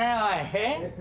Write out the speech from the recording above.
えっ？